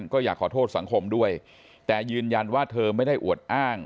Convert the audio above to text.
ก็อยากขอโทษสังคมด้วยแต่ยืนยันว่าเธอไม่ได้อวดอ้าง